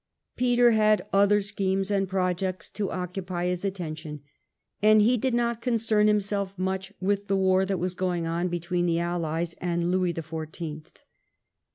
Peter had other schemes and projects to occupy his attention and he did not concern himself much with the war that was going on between the AUies and Louis the Fourteenth.